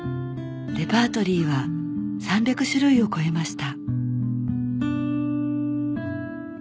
レパートリーは３００種類を超えました